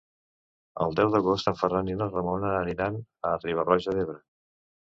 El deu d'agost en Ferran i na Ramona aniran a Riba-roja d'Ebre.